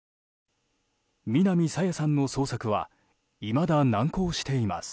南朝芽さんの捜索はいまだ難航しています。